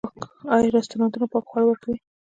آیا رستورانتونه پاک خواړه ورکوي؟